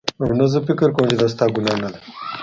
او نه زه فکر کوم چې دا ستا ګناه نده